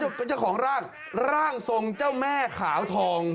ไม่ใช่เจ้าของร่างร่างทรงเจ้าแม่ขาวทองครับ